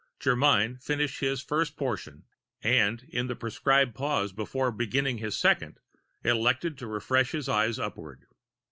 Germyn finished his first portion and, in the prescribed pause before beginning his second, elected to refresh his eyes upward.